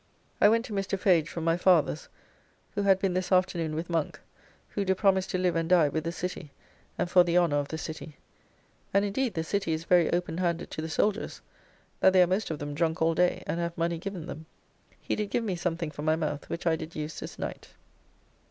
I went to Mr. Fage from my father's, who had been this afternoon with Monk, who do promise to live and die with the City, and for the honour of the City; and indeed the City is very open handed to the soldiers, that they are most of them drunk all day, and have money given them. He did give me something for my mouth which I did use this night.